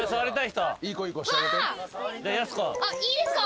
いいですか？